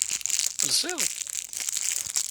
Telsiḍ?